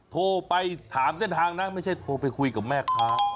โทรไปถามเส้นทางนะไม่ใช่โทรไปคุยกับแม่ค้า